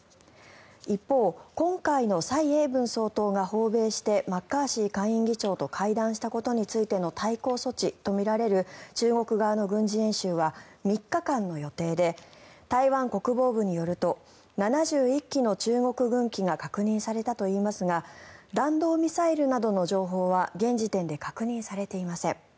一方今回の蔡英文総統が訪米してマッカーシー下院議長と会談したことについての対抗措置とみられる中国側の軍事演習は３日間の予定で台湾国防部によると７１機の中国軍機が確認されたといいますが弾道ミサイルなどの情報は現時点で確認されていません。